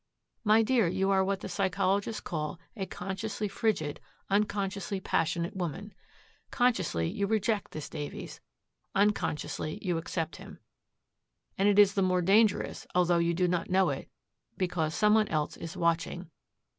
My dear, you are what the psychologists call a consciously frigid, unconsciously passionate woman. Consciously you reject this Davies; unconsciously you accept him. And it is the more dangerous, although you do not know it, because some one else is watching.